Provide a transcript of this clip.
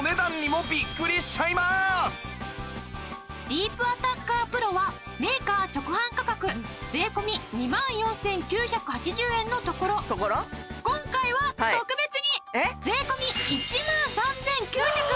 ディープアタッカープロはメーカー直販価格税込２万４９８０円のところ今回は特別に税込１万３９８０円！